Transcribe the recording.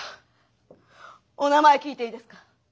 お名前聞いていいですか？